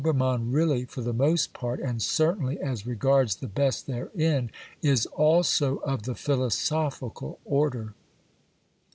nann really, for the most part, and certainly as re gards the best therein, is also of the philosophical order.